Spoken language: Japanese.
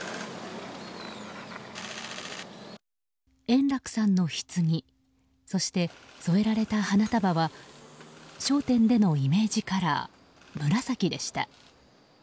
円楽さんのひつぎそして添えられた花束は「笑点」でのイメージカラー紫でした。